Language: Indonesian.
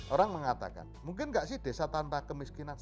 orang mengatakan mungkin nggak sih desa tanpa kemiskinan